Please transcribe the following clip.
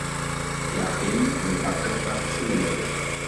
Die Achänen sind abgeflacht zylindrisch.